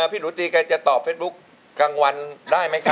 พี่หนูตีแกจะตอบเฟซบุ๊คกลางวันได้ไหมครับ